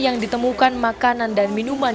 yang ditemukan makanan dan minuman